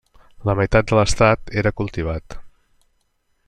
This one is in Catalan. La meitat de l'estat era cultivat.